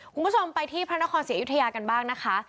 คุณผู้ชมไปที่พระนครศรีอยุธยากันบ้างนะคะ